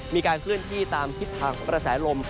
มีการเคลื่อนที่ตามทิศทางประสาหร่ม